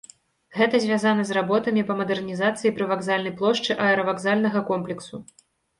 Гэта звязана з работамі па мадэрнізацыі прывакзальнай плошчы аэравакзальнага комплексу.